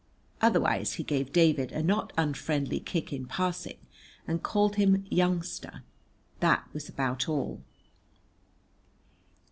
Otherwise he gave David a not unfriendly kick in passing, and called him "youngster." That was about all.